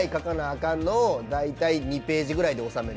かんのを大体２ページぐらいで収める。